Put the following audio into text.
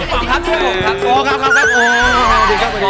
โอ้ยข้างนู้นค่ะข้างนู้นโอ้ยมาในข้างนู้นหรอกพี่ป๋อมครับ